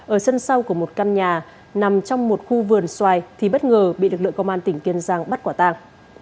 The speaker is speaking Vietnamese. ở sân sau của một căn nhà nằm trong một khu vườn xoài thì bất ngờ bị lực lượng công an tỉnh kiên giang bắt quả tàng